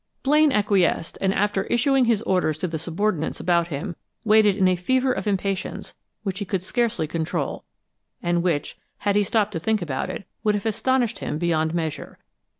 Blaine acquiesced, and after issuing his orders to the subordinates about him, waited in a fever of impatience which he could scarcely control, and which, had he stopped to think of it, would have astonished him beyond measure.